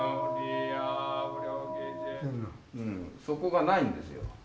そこがないんですよ。